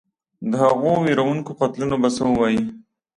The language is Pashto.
د هغو وېروونکو قتلونو به څه ووایې.